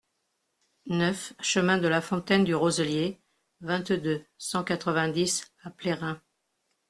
neuf chemin de la Fontaine du Roselier, vingt-deux, cent quatre-vingt-dix à Plérin